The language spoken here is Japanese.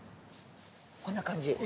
こんな感じ。